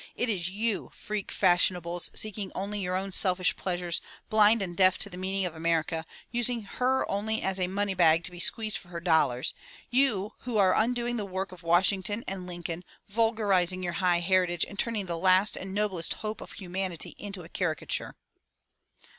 It is you, freak fashionables seeking only your own selfish pleasures, blind and deaf to the meaning of America, using her only as a money bag to be squeezed for her dollars, — ^you who are undoing the work of Washington and Lincoln, vulgarizing your high heritage, and turning the last and noblest hope of humanity into a caricature."